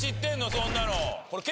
そんなの。